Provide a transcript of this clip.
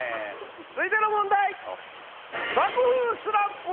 続いての問題。